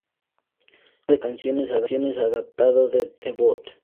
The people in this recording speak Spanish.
Listado de canciones adaptado de "The Boot".